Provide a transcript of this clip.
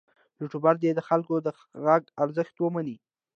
یوټوبر دې د خلکو د غږ ارزښت ومني.